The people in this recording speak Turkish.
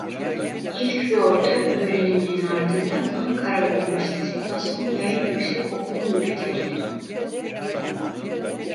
İlk ve Orta öğreniminin ardından Ankara Üniversitesi Basın Yayın Yüksek Okulu'nu bitirdi.